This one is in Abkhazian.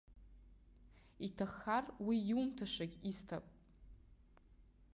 Иҭаххар, уи иумҭашагь исҭап.